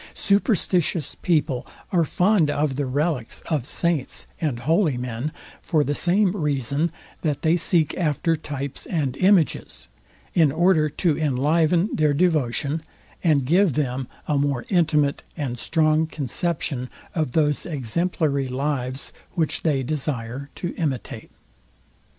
Superstitious people are fond of the relicks of saints and holy men, for the same reason that they seek after types and images, in order to enliven their devotion, and give them a more intimate and strong conception of those exemplary lives, which they desire to imitate.